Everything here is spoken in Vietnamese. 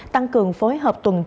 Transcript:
tăng cường phối hợp với tỉnh đồng nai